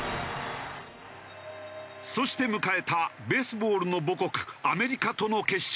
そして迎えたベースボールの母国アメリカとの決勝。